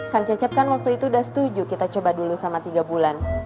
kang cecep kan waktu itu udah setuju kita coba dulu sama tiga bulan